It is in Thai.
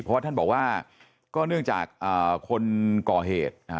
เพราะว่าท่านบอกว่าก็เนื่องจากคนก่อเหตุ